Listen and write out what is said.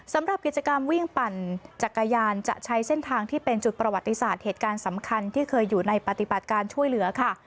สำหรับกิจกรรมวิ่งปั่นจักรยานจะใช้เส้นทางที่เป็นจุดประวัติศาสตร์เหตุการณ์สำคัญที่เคยอยู่ในปฏิบัติการช่วยเหลือค่ะ